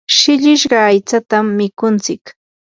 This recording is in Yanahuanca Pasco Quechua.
shillishqa aytsatam mikuntsik.